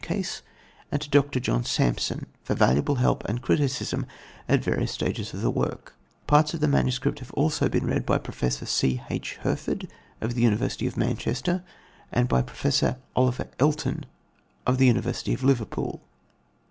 Case and to Dr. John Sampson for valuable help and criticism at various stages of the work. Parts of the MS. have also been read by Professor C.H. Herford of the University of Manchester and by Professor Oliver Elton of the University of Liverpool.